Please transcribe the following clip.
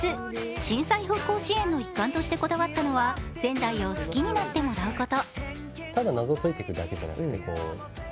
震災復興支援の一環としてこだわったのは仙台を好きになってもらうこと。